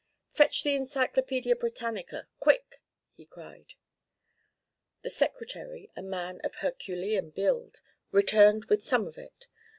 "Fetch the Encyclopædia Britannica, quick!" he cried. The secretary, a man of herculean build, returned with some of it.